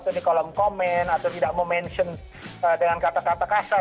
atau di kolom komen atau tidak memention dengan kata kata kasar